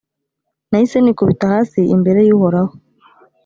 nahise nikubita hasi imbere y’uhoraho;